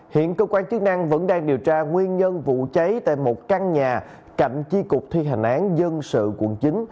hiện cơ quan chức năng vẫn đang điều tra nguyên nhân vụ cháy tại một căn nhà cạnh chi cục thi hành án dân sự quận chín